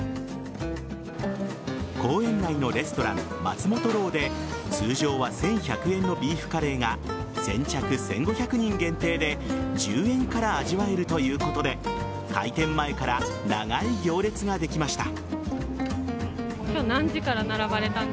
公園内のレストラン・松本楼で通常は１１００円のビーフカレーが先着１５００人限定で１０円から味わえるということで開店前から長い行列ができました。